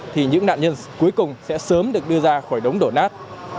thì những nạn nhân cuối cùng sẽ sớm được đưa ra khỏi đống đổ nát